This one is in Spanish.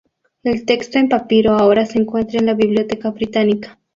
El texto en papiro ahora se encuentra en la Biblioteca Británica.